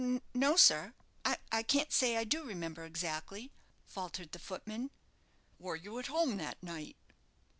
"No, sir; I can't say I do remember exactly," faltered the footman. "Were you at home that night?"